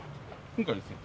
今回ですね